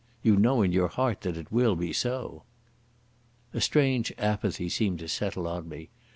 You know in your heart that it will be so." A great apathy seemed to settle on me.